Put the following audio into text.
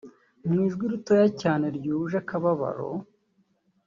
Mu ijwi ritoya cyane ryuje akababaro